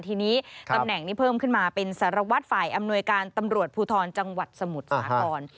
ทีนี้ตำแหน่งนี้เพิ่มขึ้นมาเป็นสารวัตรฝ่ายอำนวยการตำรวจภูทรจังหวัดสมุทรสาคร